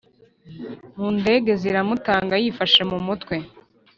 mundege ziramutanga yifahe mumutwe